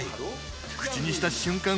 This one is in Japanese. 口にした瞬間